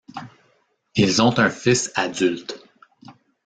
Ils ont un fils adulte.